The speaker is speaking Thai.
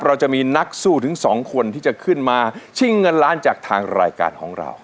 เราจะมีนักสู้ถึงสองคนที่จะขึ้นมาชิงเงินล้านจากทางรายการของเรา